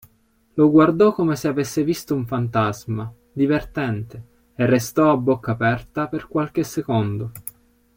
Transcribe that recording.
Lo guardò come se avesse visto un fantasma, divertente, e restò a bocca aperta per qualche secondo.